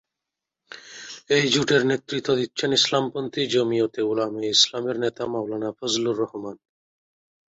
এই জোটের নেতৃত্ব দিচ্ছেন ইসলামপন্থী জমিয়তে উলামায়ে ইসলামের নেতা মাওলানা ফজলুর রহমান।